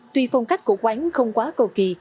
tuy phong cách của quán không quá cầu kỳ